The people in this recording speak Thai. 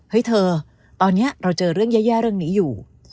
เธอตอนนี้เราเจอเรื่องแย่เรื่องนี้อยู่